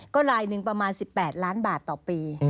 ก็ลายหนึ่งประมาณ๑๘ล้านบาทต่อปี